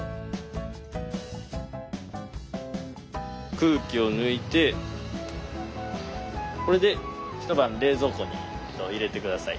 空気を抜いてこれで一晩冷蔵庫に入れて下さい。